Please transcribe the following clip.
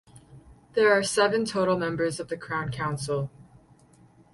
There are seven total members of the Crown Council.